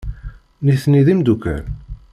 Nitni d imeddukal?